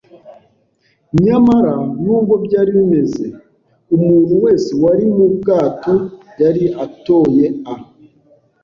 Nyamara, nubwo byari bimeze, umuntu wese wari mu bwato yari yatoye a